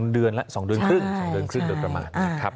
๒เดือนแล้ว๒เดือนครึ่งโดยประมาณนี้ครับ